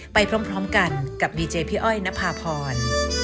ไปพร้อมพร้อมกันกับดีเจพี่อ้อยณพาพร